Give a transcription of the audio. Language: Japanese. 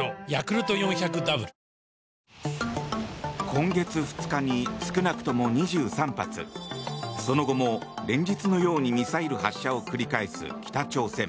今月２日に少なくとも２３発その後も連日のようにミサイル発射を繰り返す北朝鮮。